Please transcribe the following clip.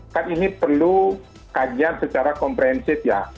kan ini perlu kajian secara komprehensif ya